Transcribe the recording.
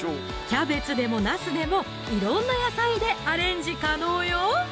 キャベツでもナスでも色んな野菜でアレンジ可能よ！